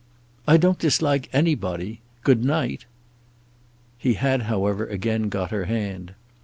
"I don't dislike anybody. Good night." He had however again got her hand.